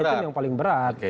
itu kan yang paling berat